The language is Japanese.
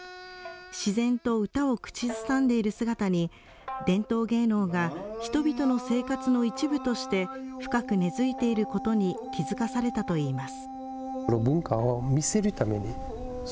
自然と歌を口ずさんでいる姿に、伝統芸能が人々の生活の一部として、深く根づいていることに気付かされたといいます。